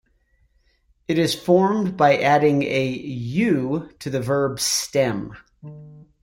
It is formed by adding a -u to the verb stem.